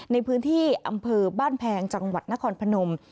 ในพื้นที่อำเภอบ้านแพงจังหวัดนครพนม